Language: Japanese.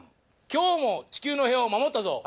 「今日も地球の平和を守ったぞ！」